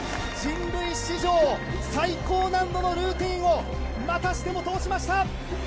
人類史上最高難度のルーティンをまたしても通しました！